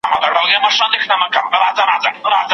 چي له دې مهاجرو څخه بل څه نه جوړیږي.